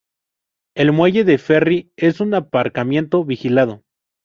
El muelle del ferry es un aparcamiento vigilado.